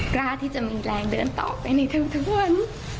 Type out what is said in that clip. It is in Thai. กล้าที่จะมีแรงเดินต่อไปในทุกวัน